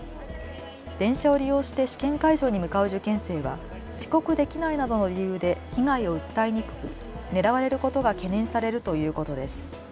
電車を利用して試験会場に向かう受験生は遅刻できないなどの理由で被害を訴えにくく狙われることが懸念されるということです。